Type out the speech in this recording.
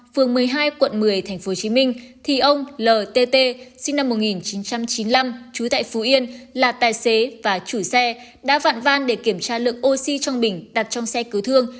phường một mươi hai quận một mươi tp hcm thì ông lt sinh năm một nghìn chín trăm chín mươi năm trú tại phú yên là tài xế và chủ xe đã vạn van để kiểm tra lượng oxy trong bình đặt trong xe cứu thương